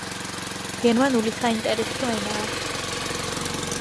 გერმანული საინტერესო ენაა